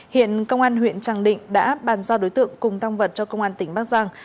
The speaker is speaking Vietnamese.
hiện công an huyện tràng định đã bàn giao đối tượng cùng tăng vật cho công an tỉnh bắc giang